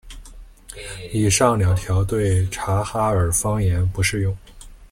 以上两条对察哈尔方言不适用。